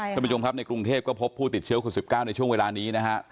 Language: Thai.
ท่านผู้ชมครับในกรุงเทพก็พบผู้ติดเชื้อคุณ๑๙ในช่วงเวลานี้นะฮะ